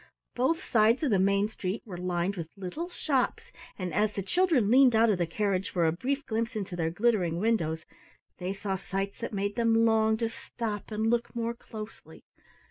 Both sides of the main street were lined with little shops, and as the children leaned out of the carriage for a brief glimpse into their glittering windows, they saw sights that made them long to stop and look more closely.